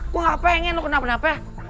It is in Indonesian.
gue gak pengen lo kenapa napa ya